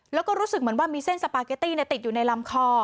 แล้วก็รู้สึกเหมือนว่ามีเส้นสปาเกตตี้ติดอยู่ในลำคอ